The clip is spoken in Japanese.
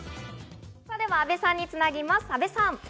では阿部さんにつなぎます、阿部さん。